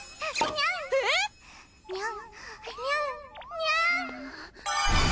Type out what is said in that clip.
にゃん！